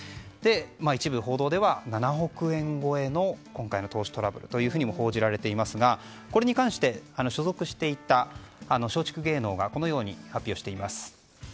一部報道では７億円超えの今回の投資トラブルとも報じられていますがこれに関して所属していた松竹芸能がこのように発表しています。